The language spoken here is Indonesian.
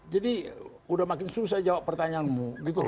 jadi sudah makin susah jawab pertanyaanmu gitu loh